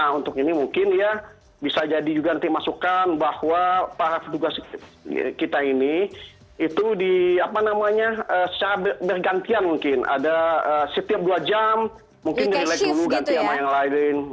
nah untuk ini mungkin ya bisa jadi juga nanti masukan bahwa para petugas kita ini itu secara bergantian mungkin ada setiap dua jam mungkin di relax dulu ganti sama yang lain